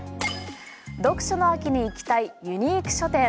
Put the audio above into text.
読書の秋に行きたいユニーク書店。